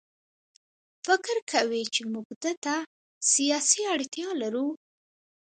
فکر کوي چې موږ ده ته سیاسي اړتیا لرو.